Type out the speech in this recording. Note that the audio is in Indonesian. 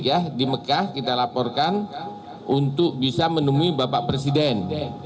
ya di mekah kita laporkan untuk bisa menemui bapak presiden